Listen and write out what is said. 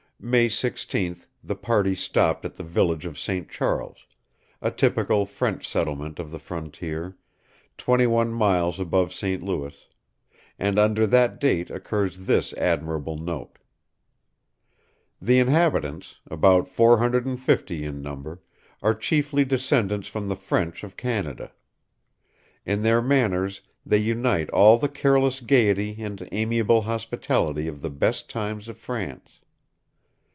May 16th the party stopped at the village of St. Charles, a typical French settlement of the frontier, twenty one miles above St. Louis; and under that date occurs this admirable note: "The inhabitants, about 450 in number, are chiefly descendants from the French of Canada. In their manners they unite all the careless gayety and amiable hospitality of the best times of France.